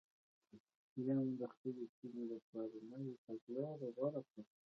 شیام د خپلې سیمې لپاره نوې تګلاره غوره کړه